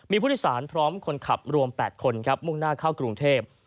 มีผู้โดยสารพร้อมคนขับรวม๘คนครับมุ่งหน้าเข้ากรุงเทพ